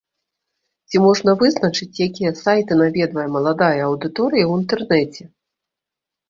Ці можна вызначыць, якія сайты наведвае маладая аўдыторыя ў інтэрнэце?